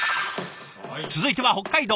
続いては北海道。